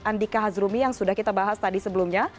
andika hazrumi yang sudah kita bahas tadi sebelumnya